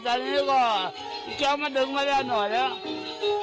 แต่นี้เค้ามาดึงไม่ได้หน่อยเนี่ย